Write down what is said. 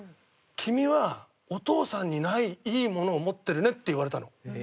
「君はお父さんにないいいものを持ってるね」って言われたの。